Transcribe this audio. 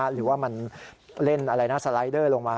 หรือว่ามันเล่นสไลด์เดอร์ลงมา